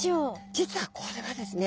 実はこれはですね